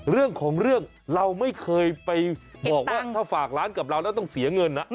เรื่องของเรื่องเราไม่เคยไปบอกว่าถ้าฝากร้านกับเราแล้วต้องเสียเงิน